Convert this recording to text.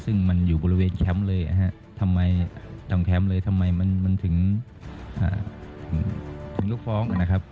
ซึ่งมันอยู่บริเวณแชมป์เลยนะฮะทำไมต้องแชมป์เลยทำไมมันถึงลูกฟ้องนะครับ